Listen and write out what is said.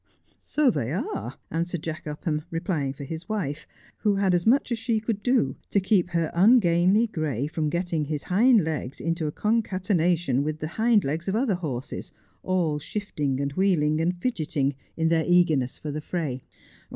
' So they are,' answered Jack Upham, replying for his wife, who had as much as she could do to keep her ungainly gray from getting his hind legs into a concatenation with the hind legs of other horses, all shifting and wheeling and fidgeting in their eagerness for the fray.